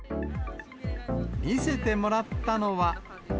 見せてもらったのは。